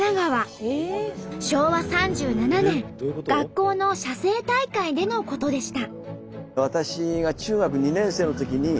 昭和３７年学校の写生大会でのことでした。